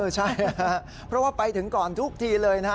ใช่เพราะว่าไปถึงก่อนทุกทีเลยนะฮะ